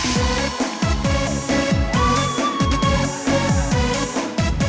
เสียบรรยาภาพ